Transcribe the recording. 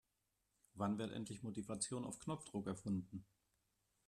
Wann wird endlich Motivation auf Knopfdruck erfunden?